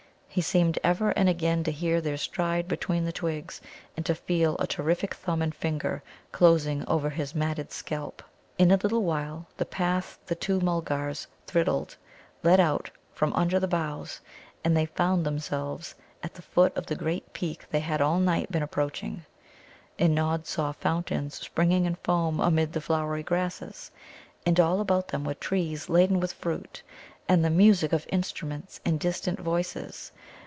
He seemed ever and again to hear their stride between the twigs, and to feel a terrific thumb and finger closing over his matted scalp. In a little while the path the two Mulgars thridded led out from under the boughs, and they found themselves at the foot of the great peak they had all night been approaching. And Nod saw fountains springing in foam amid the flowery grasses, and all about them were trees laden with fruit, and the music of instruments and distant voices.